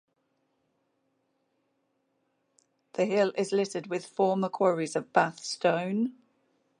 The hill is littered with former quarries of Bath Stone.